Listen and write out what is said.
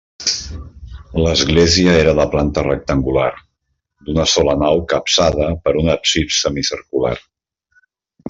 L'església era de planta rectangular, d'una sola nau capçada per un absis semicircular.